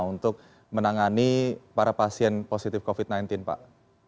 untuk menangani para pasien positif covid sembilan belas pak